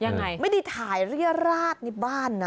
ยังไงไม่ได้ถ่ายเรียราชในบ้านนะ